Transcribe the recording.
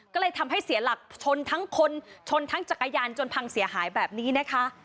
ก็เลยทำให้เสียหลักชนทั้งคนชนทั้งจักรยานจนพังเสียหายแบบนี้นะคะ